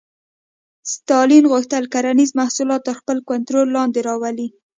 ستالین غوښتل کرنیز محصولات تر خپل کنټرول لاندې راولي